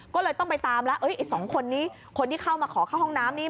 ก็เลยต้องไปตามแล้วไอ้สองคนนี้คนที่เข้ามาขอเข้าห้องน้ำนี้